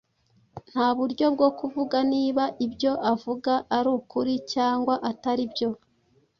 Nta buryo bwo kuvuga niba ibyo avuga ari ukuri cyangwa atari byo.